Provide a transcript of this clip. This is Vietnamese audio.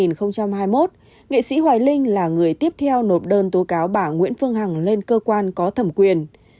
năm hai nghìn hai mươi một nghệ sĩ hoài linh là người tiếp theo nộp đơn tố cáo bà nguyễn phương hằng lên cơ quan có thẩm quyền